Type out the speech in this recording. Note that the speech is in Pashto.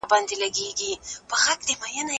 او ستا به خوله خوږه شي